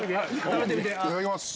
いただきます。